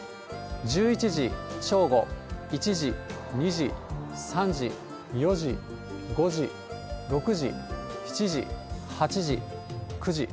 １１時、正午、１時、２時、３時、４時、５時、６時、７時、８時、９時。